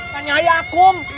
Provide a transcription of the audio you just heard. tanya ayah kum